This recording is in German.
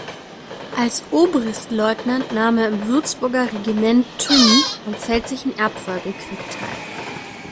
Als Obristleutnant nahm er im Würzburger Regiment Thüngen am Pfälzischen Erbfolgekrieg teil.